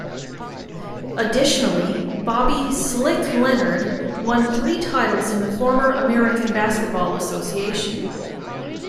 Additionally, Bobby "Slick" Leonard won three titles in the former American Basketball Association.